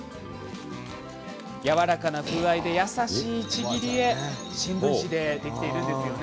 やわらかな風合いで優しいちぎり絵新聞紙で、できています。